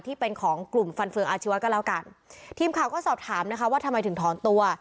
ที่เป็นของกลุ่มฟันเฟืองอาชีวะก็แล้วกันทีมข่าวก็สอบถามนะคะว่าทำไมถึงถอนตัว